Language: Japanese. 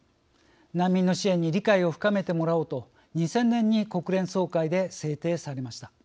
難民の支援に理解を深めてもらおうと２０００年に国連総会で制定されました。